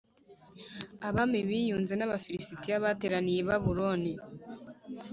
Abami biyunze b Abafilisitiya bateraniye ibabuloni